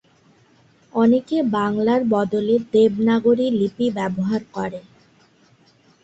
অনেকে বাংলার বদলে দেবনাগরী লিপি ব্যবহার করে।